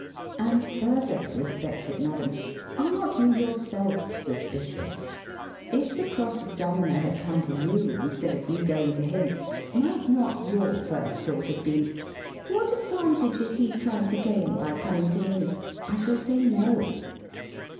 And further, respected madam, are not you yourself sus picious? If the cross examiner had come to you, instead of you going to him, might not your first thought have been : "What advantage is he trying to gain by coming to me? I shall say No